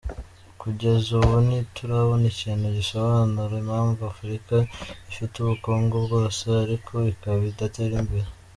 Kugeza ubu ntiturabona ikintu gisobanura impamvu Afurika ifite ubukungu bwose ariko ikaba idatera imbere.